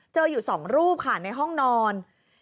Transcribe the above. อยู่๒รูปค่ะในห้องนอน